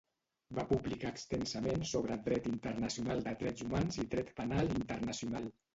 Va publicar extensament sobre dret internacional de drets humans i dret penal internacional.